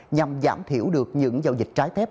nhằm giảm thiểu được những giao dịch trái thép